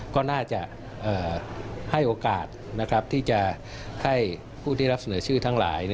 ก็น่าจะให้โอกาสที่จะให้ผู้ที่รับเสนอชื่อทั้งหลาย